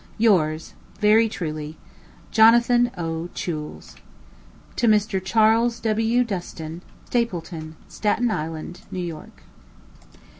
Yours, very truly, JNO. O. CHOULES. To Mr. CHARLES W. DUSTAN, Stapleton; Staten Island, New York.